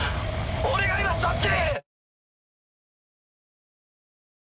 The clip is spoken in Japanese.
俺が今そっちに。